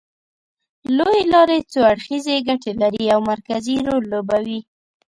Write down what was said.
لوېې لارې څو اړخیزې ګټې لري او مرکزي رول لوبوي